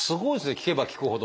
聞けば聞くほど。